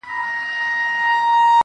له هغې ورځې يې ښه نه دې ليدلي,